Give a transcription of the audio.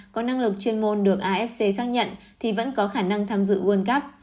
có năng lực chuyên môn được afc xác nhận thì vẫn có khả năng tham dự world cup